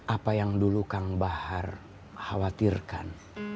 apa yang dulu kang bahar khawatirkan